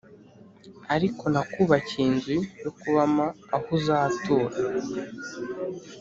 Ariko nakubakiye inzu yo kubamo aho uzatura